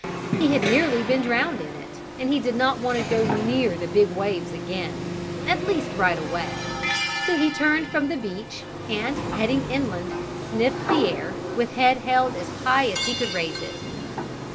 He had nearly been drowned in it, and he did not want to go near the big waves again; at least right away. So he turned from the beach and, heading inland, sniffed the air, with head held as high as he could raise it.